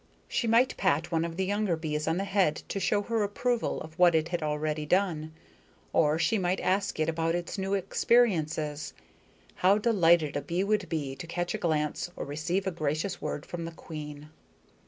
She might pat one of the younger bees on the head to show her approval of what it had already done, or she might ask it about its new experiences. How delighted a bee would be to catch a glance or receive a gracious word from the queen!